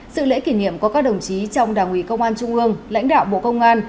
sự lễ kỷ niệm có các đồng chí trong đảng ủy công an trung ương lãnh đạo bộ công an